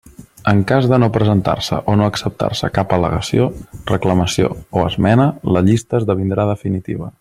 En cas de no presentar-se o no acceptar-se cap al·legació, reclamació o esmena la llista esdevindrà definitiva.